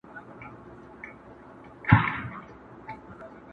هر یوه ته مي جلا کړی وصیت دی!!